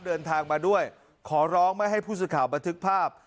เดินทางมาด้วยขอร้องไม่ให้ผู้สื่อข่าวบันทึกภาพ